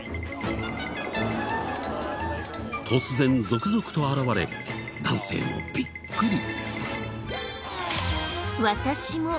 突然続々と現れ男性もビックリ！